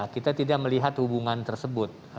kita tidak melihat hubungan tersebut